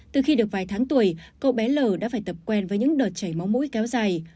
từ khi được vài tháng tuổi cô bé l đã phải tập quen với những đợt chảy máu mũi kéo dài